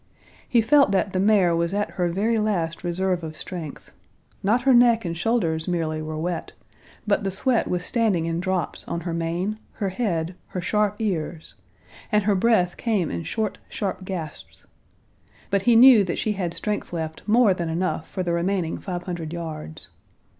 He felt that the mare was at her very last reserve of strength; not her neck and shoulders merely were wet, but the sweat was standing in drops on her mane, her head, her sharp ears, and her breath came in short, sharp gasps. But he knew that she had strength left more than enough for the remaining five hundred yards.